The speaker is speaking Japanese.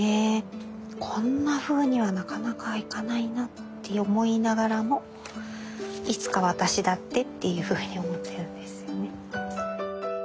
こんなふうにはなかなかいかないなって思いながらもいつか私だってっていうふうに思っているんですよね。